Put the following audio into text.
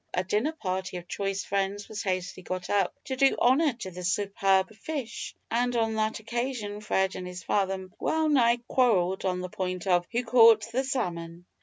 A dinner party of choice friends was hastily got up to do honour to the superb fish, and on that occasion Fred and his father well nigh quarrelled on the point of, "who caught the salmon!"